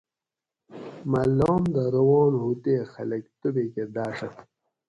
مہ لام دہ روان ھو تے خلک توبیکہ داڛت